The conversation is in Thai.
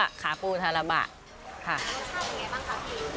มันรสชาติเป็นอย่างไรบ้างครับพี่